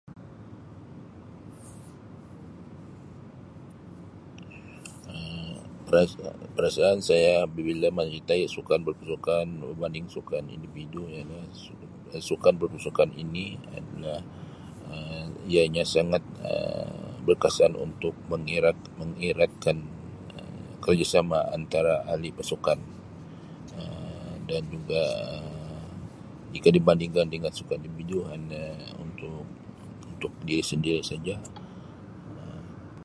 Um Perasa-perasaan saya bila menyertai sukan berpasukan berbanding sukan individu ialah [unintelligible] sukan berpasukan ini adalah Um ia nya sangat Um berkesan untuk mengerat mengeratkan Um kerjasama antara ahli pasukan Um dan juga jika dibandingkan dengan sukan individu hanya untuk untuk diri sendiri saja Um.